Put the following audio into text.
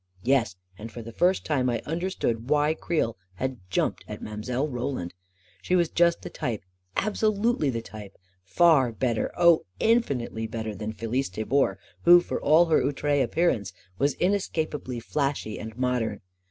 Yes; and for the first time I under stood why Creel had jumped at Mile. Roland. She was just the type — absolutely the type — far better, oh, infinitely better than Felice Tabor, who, for all her outre appearance, was inescapably flashy and modern.